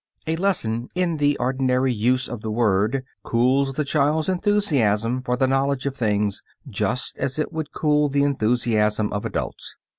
A lesson in the ordinary use of the word cools the child's enthusiasm for the knowledge of things, just as it would cool the enthusiasm of adults.